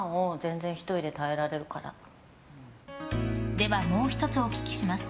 では、もう１つお聞きします。